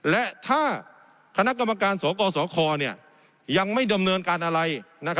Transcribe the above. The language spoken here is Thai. และถ้าคณะกรรมการสกสคยังไม่ดำเนินการอะไร